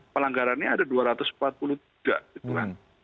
pelanggarannya ada dua ratus empat puluh tiga gitu kan